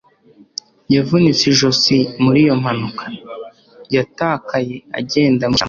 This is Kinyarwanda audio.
Yavunitse ijosi muri iyo mpanuka. Yatakaye agenda mu ishyamba